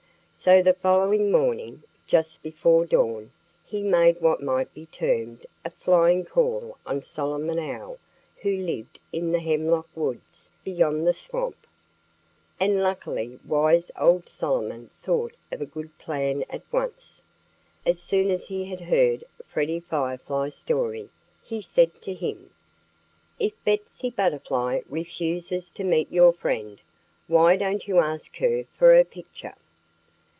So the following morning, just before dawn, he made what might be termed a flying call on Solomon Owl who lived in the hemlock woods beyond the swamp. And luckily wise old Solomon thought of a good plan at once. As soon as he had heard Freddie Firefly's story he said to him: "If Betsy Butterfly refuses to meet your friend, why don't you ask her for her picture?"